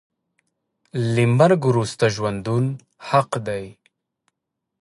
له مرګ وروسته ژوندون حق دی .